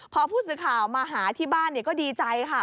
พอผู้สื่อข่าวมาหาที่บ้านก็ดีใจค่ะ